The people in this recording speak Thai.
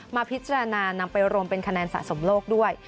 มาพิจารณานำไปรวมเป็นคะแนนสะสมโลกด้วย